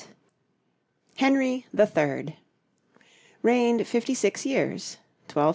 ] HENRY THE THIRD Reigned fifty six years: 1216 1272.